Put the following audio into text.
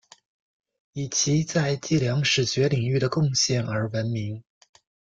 以其在计量史学领域的贡献而闻名。